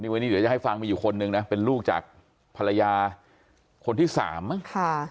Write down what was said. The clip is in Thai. วันนี้เดี๋ยวจะให้ฟังมีอยู่คนนึงนะเป็นลูกจากภรรยาคนที่สามมั้ง